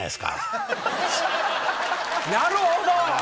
なるほど。